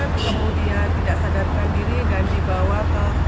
kemudian tidak sadarkan diri dan dibawa ke